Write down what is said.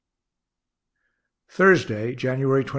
Thursday, January 29.